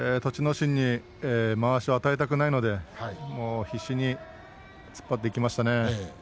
心にまわしを与えたくないのでもう必死に突っ張っていきましたね。